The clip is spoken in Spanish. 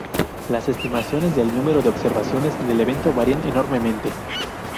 Las estimaciones del número de observadores del evento varian enormemente.